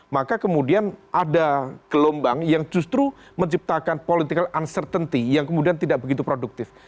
maka kemudian ada gelombang yang justru menciptakan political uncertainty yang kemudian tidak begitu produktif